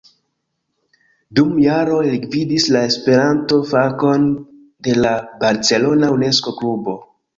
Dum jaroj li gvidis la Esperanto-fakon de la barcelona Unesko-klubo.